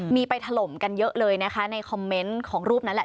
มีไปถล่มกันเยอะเลยนะคะในคอมเมนต์ของรูปนั้นแหละ